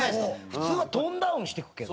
普通はトーンダウンしていくけど。